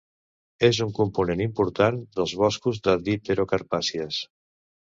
És un component important dels boscos de dipterocarpàcies.